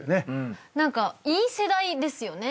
何かいい世代ですよね。